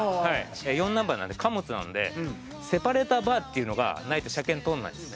４ナンバーなんで貨物なんでセパレートバーっていうのがないと車検通らないんですね。